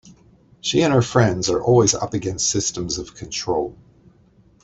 She and her friends are always up against systems of control.